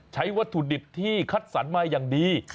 วัตถุดิบที่คัดสรรมาอย่างดี